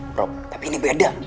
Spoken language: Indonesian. bro tapi ini beda